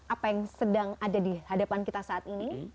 apa yang sedang ada di hadapan kita saat ini